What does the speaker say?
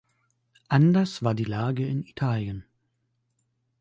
Anders war die Lage in Italien.